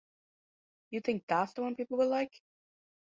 You think that's the one people will like?